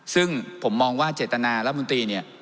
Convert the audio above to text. ซึ่งผมมองว่าเจตนารัฐมนตรีเนี่ย